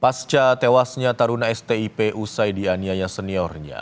pasca tewasnya taruna stip usai dianiaya seniornya